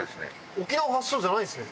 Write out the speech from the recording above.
沖縄発祥じゃないんですね。